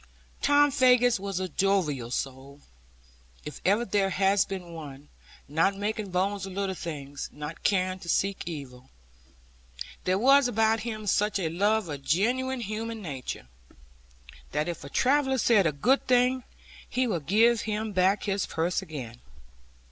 Tom Faggus was a jovial soul, if ever there has been one, not making bones of little things, nor caring to seek evil. There was about him such a love of genuine human nature, that if a traveller said a good thing, he would give him back his purse again.